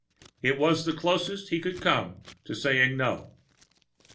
It was the closest he could come to saying no.